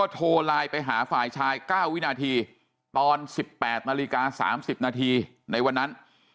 เวลากา๓๐นาทีในวันนั้น